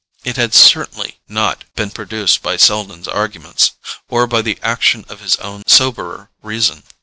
It had certainly not been produced by Selden's arguments, or by the action of his own soberer reason.